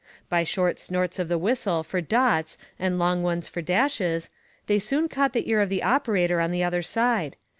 By short snorts of the whistle for dots and long ones for dashes, they soon caught the ear of the operator on the other side.